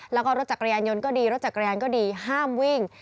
แล้วก็รถจักรยานยนต์ก็ดีรถจักรยานก็ดีห้ามวิ่ง